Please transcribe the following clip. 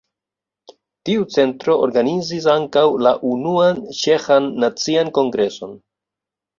Tiu centro organizis ankaŭ la unuan ĉeĥan nacian kongreson.